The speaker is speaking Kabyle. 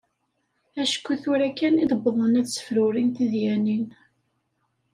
Acku tura kan i d-wwḍen ad sefrurin tidyanin.